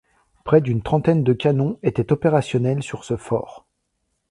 Près d'une trentaine de canons étaient opérationnels sur ce fort.